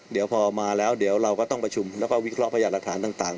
เดี๋ยวพอมาแล้วเดี๋ยวเราก็ต้องประชุมแล้วก็วิเคราะหยาดหลักฐานต่าง